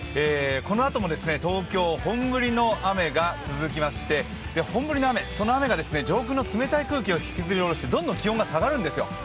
このあとも東京、本降りの雨が続きまして、本降りの雨が上空の冷たい空気を引きずり降ろしてどんどん気温が下がるんですよ。